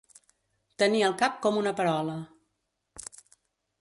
Tenir el cap com una perola.